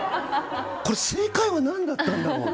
これ、正解は何だったんだろう。